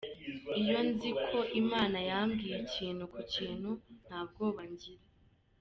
Iyo nzi ko Imana yambwiye ikintu ku kintu, nta bwoba ngira”.